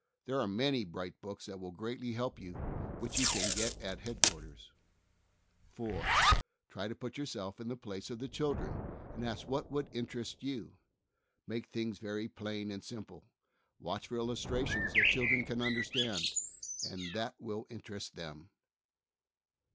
There are many bright books that will greatly help you which you can get at Headquarters. 4. Try to put yourself in the place of the child, and ask what would interest you. Make things very plain and simple. Watch for illustrations that the children can under stand, and that will interest them.